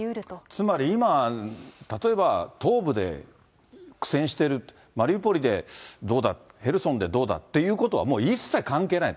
つまり、今、例えば東部で苦戦している、マリウポリでどうだ、ヘルソンでどうだっていうことは、もう一切関係ない。